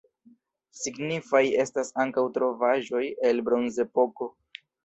Signifaj estas ankaŭ trovaĵoj el bronzepoko.